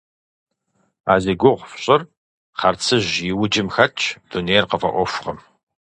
А зи гугъу фщӏыр хъарцыжь и уджым хэтщ, дунейр къыфӏэӏуэхукъым.